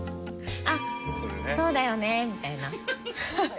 「あっそうだよね」みたいな。